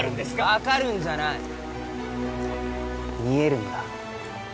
分かるんじゃない見えるんだ